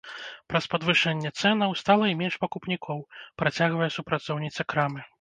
Праз падвышэнне цэнаў, стала і менш пакупнікоў, працягвае супрацоўніца крамы.